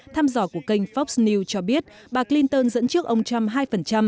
thăm dò của kênh fox news cho biết bà clinton dẫn trước ông trump hai